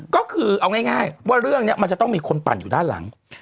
ก็คือเอาง่ายว่าเรื่องนี้มันจะต้องมีคนปั่นอยู่ด้านหลัง